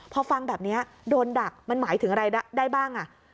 พอฟังแบบนี้โดนดักมันหมายถึงอะไรได้บ้าง